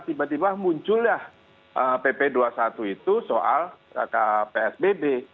tiba tiba muncullah pp dua puluh satu itu soal psbb